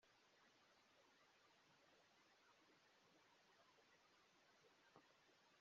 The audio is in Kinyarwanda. ni ubunyangamugayo no gukora kinyamwuga by’abazigize